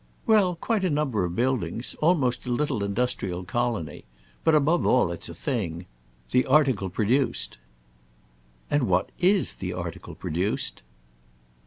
"Well, quite a number of buildings; almost a little industrial colony. But above all it's a thing. The article produced." "And what is the article produced?"